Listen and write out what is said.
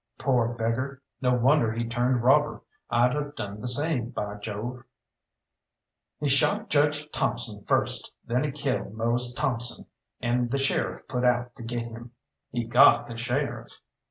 "Poor beggar! No wonder he turned robber. I'd have done the same, by Jove!" "He shot Judge Thomson first, then he killed Mose Thomson, and the sheriff put out to get him. He got the sheriff.